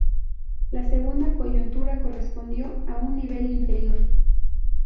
La segunda coyuntura correspondió a un nivel inferior.